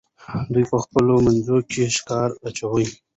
دوی په خپلو منځو کې ښکرې اچوي.